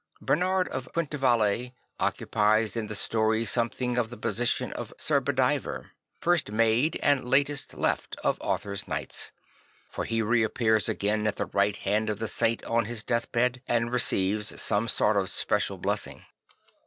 Bernard of Quin ta valle occupies in the story something of the position of Sir Bedivere, "first made and la test left of Arthur's knights, JJ for he reappears again at the right hand of the saint on his death bed and receives some sort of special blessing.